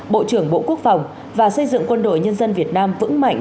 bộ trưởng bộ quốc phòng và xây dựng quân đội nhân dân việt nam vững mạnh